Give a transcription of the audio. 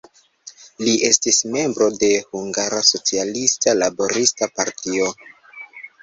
Li estis membro de Hungara Socialista Laborista Partio.